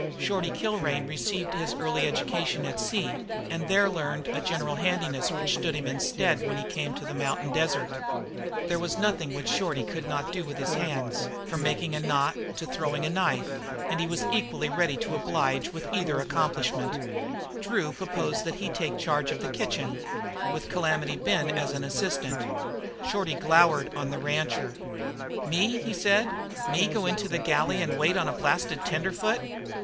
Shorty Kilrain received his early education at sea and learned there a general handiness which stood him in stead when he came to the mountain desert. There was nothing which Shorty could not do with his hands, from making a knot to throwing a knife, and he was equally ready to oblige with either accomplishment. Drew proposed that he take charge of the kitchen with Calamity Ben as an assistant. Shorty glowered on the rancher. "Me!" he said. "Me go into the galley to wait on a blasted tenderfoot?"